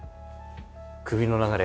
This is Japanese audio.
首の流れ